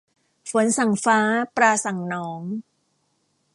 ฝนสั่งฟ้า ปลาสั่งหนอง